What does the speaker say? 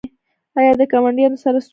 ایا له ګاونډیانو سره ستونزې لرئ؟